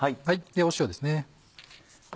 塩ですね。